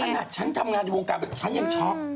ขนาดฉันทำงานในวงการไปกับฉันยังช็อก